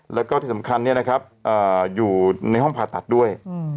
แล้วก็ที่สำคัญอยู่ในห้องผ่าตัดด้วย